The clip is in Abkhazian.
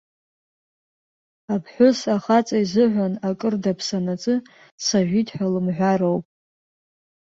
Аԥҳәыс ахаҵа изыҳәан акыр даԥсанаҵы, сажәит ҳәа лымҳәароуп.